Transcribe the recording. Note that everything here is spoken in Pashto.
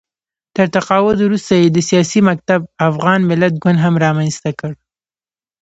تر تقاعد وروسته یې د سیاسي مکتب افغان ملت ګوند هم رامنځته کړ